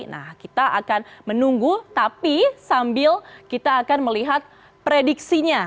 nah kita akan menunggu tapi sambil kita akan melihat prediksinya